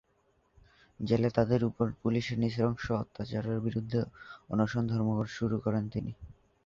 জেলে তাদের উপর পুলিশের নৃশংস অত্যাচারের বিরুদ্ধে অনশন ধর্মঘট শুরু করেন তিনি।